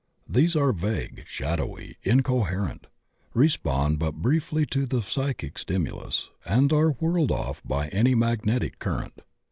These are vague, shadowy, incoherent; respond but briefly to the psy chic stimulus, and are whirled off by any magnetic current.